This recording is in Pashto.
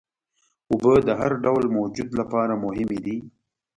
اوبه د هر ډول موجود لپاره مهمې دي.